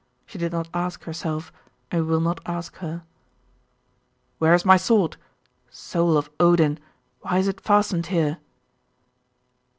She did not ask herself; and we will not ask her. 'Where is my sword? Soul of Odin! Why is it fastened here?